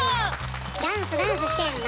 ダンスダンスしてんの？